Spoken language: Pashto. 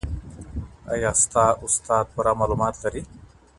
ایا ستا استاد پوره معلومات لري؟